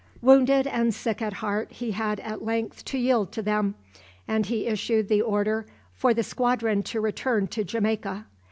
Wounded and sick at heart he had at length to yield to them, and he issued the order for the squadron to return to Jamaica.